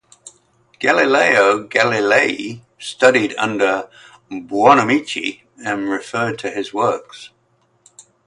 Galileo Galilei studied under Buonamici and referred to his works.